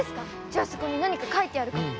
じゃあそこに何か書いてあるかも。